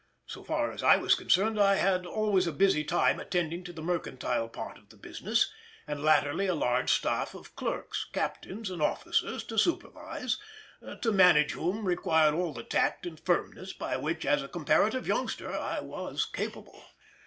So far as I was concerned, I had always a busy time attending to the mercantile part of the business, and latterly a large staff of clerks, captains, and officers to supervise, to manage whom required all the tact and firmness of which as a comparative youngster I was capable.